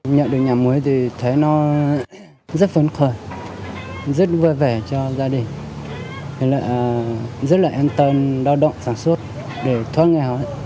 nhận được nhà mới thì thấy nó rất vấn khởi rất vui vẻ cho gia đình rất là an toàn lao động sản xuất để thoát nghèo